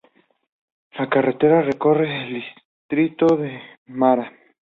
La carretera recorre el distrito de Mara.